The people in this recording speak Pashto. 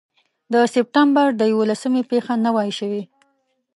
د سپټمبر د یوولسمې پېښه نه وای شوې.